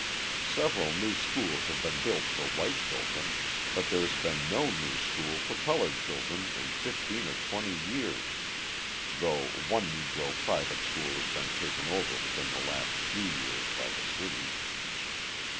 Several new schools have been built for white children, but there has been no new school for coloured children in fifteen or twenty years (though one Negro private school has been taken over within the last few years by the city).